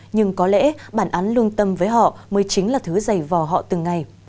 nhưng có lẽ bản án lương tâm với họ mới chính là thứ dày vò họ từng ngày